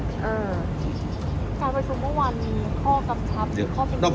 การประชุมเมื่อวันมีข้อคำทับ